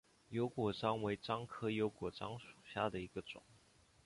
油果樟为樟科油果樟属下的一个种。